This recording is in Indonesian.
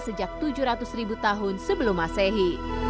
sejak tujuh ratus ribu tahun sebelum masehi